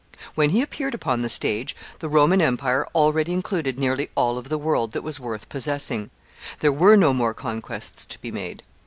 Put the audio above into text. When he appeared upon the stage, the Roman empire already included nearly all of the world that was worth possessing. There were no more conquests to be made.